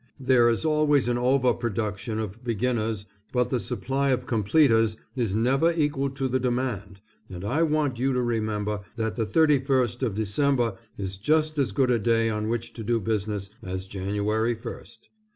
There is always an over production of beginners but the supply of completers is never equal to the demand, and I want you to remember that the 31st of December is just as good a day on which to do business as January first.